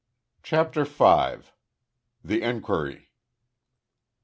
CHAPTER FIVE. THE ENQUIRY.